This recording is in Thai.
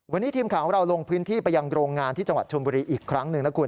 วันนี้ทีมข่าวของเราลงพื้นที่ไปยังโรงงานที่จังหวัดชมบุรีอีกครั้งหนึ่งนะคุณ